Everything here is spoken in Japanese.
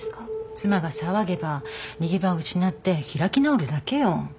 妻が騒げば逃げ場を失って開き直るだけよ。